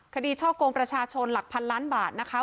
ช่อกงประชาชนหลักพันล้านบาทนะคะ